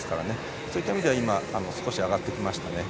そういった意味では少し上がってきましたね。